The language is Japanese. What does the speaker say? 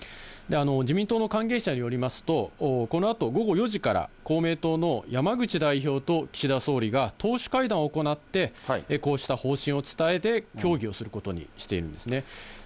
自民党の関係者によりますと、このあと午後４時から、公明党の山口代表と岸田総理が党首会談を行って、こうした方針を伝えて、協議をすることにしているんですね。